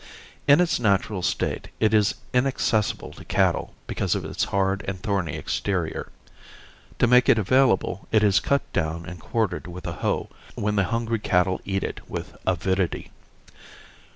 In its natural state it is inaccessible to cattle because of its hard and thorny exterior. To make it available it is cut down and quartered with a hoe, when the hungry cattle eat it with avidity.